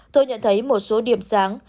tôi nhận thấy một số điểm sáng